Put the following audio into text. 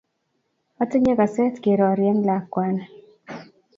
Otinye Kaset kerori eng lakwani